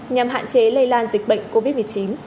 nhằm hạn chế lây lan dịch bệnh covid một mươi chín